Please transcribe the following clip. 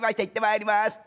行ってまいります。